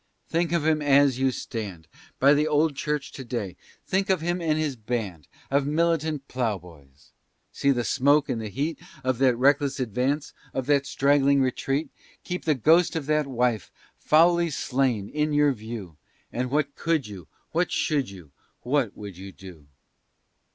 Think of him as you stand By the old church to day; think of him and his band Of militant ploughboys! See the smoke and the heat Of that reckless advance, of that straggling retreat! Keep the ghost of that wife, foully slain, in your view, And what could you, what should you, what would you do?